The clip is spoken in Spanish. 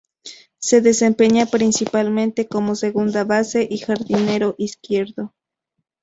Se desempeña principalmente como segunda base y jardinero izquierdo.